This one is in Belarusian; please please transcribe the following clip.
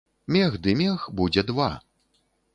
Мех ды мех, будзе два.